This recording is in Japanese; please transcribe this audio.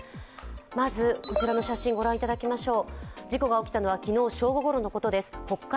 まずこちらの写真ご覧いただきましょう。